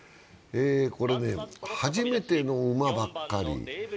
これで初めての馬ばっかり。